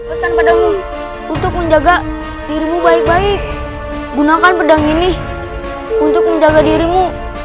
pesan padamu untuk menjaga dirimu baik baik gunakan pedang ini untuk menjaga dirimu